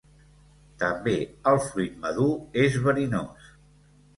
També el fruit madur és verinós.